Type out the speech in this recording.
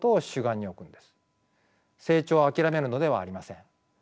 成長を諦めるのではありません。